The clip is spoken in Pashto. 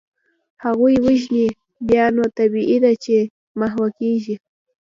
هغوی وژني، بیا نو طبیعي ده چي محوه کیږي.